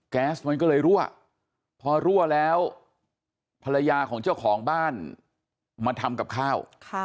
แก๊สมันก็เลยรั่วพอรั่วแล้วภรรยาของเจ้าของบ้านมาทำกับข้าว